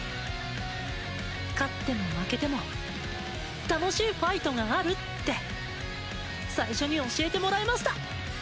勝っても負けても楽しいファイトがあるって最初に教えてもらいました。